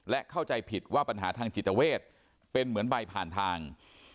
และเข้าใจผิดว่าปัญหาทางจิตเวทเป็นเหมือนใบผ่านทาง